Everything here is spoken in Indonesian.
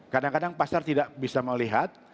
kadang kadang pasar tidak bisa melihat